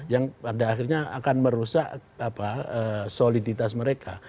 yang pada akhirnya akan merusak soliditas mereka